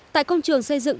tại công trường xây dựng